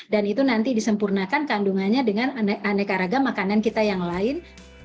dan itu nanti disempurnakan kandungannya dengan aneka raga makanan kita yang lain